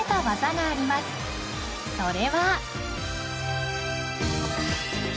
［それは］